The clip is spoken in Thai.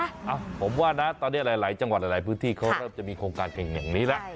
อ่ะผมว่านะตอนนี้หลายจังหวัดหลายพื้นที่เขาเริ่มจะมีโครงการเก่งอย่างนี้แล้ว